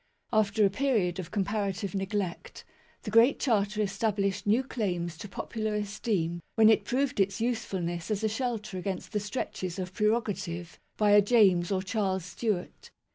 After a period of comparative neg MAGNA CARTA (1215 1915) n lect, the Great Charter established new claims to popu lar 'esteem when it proved its usefulness as a shelter against the stretches of prerogative by a James or Charles Stewart.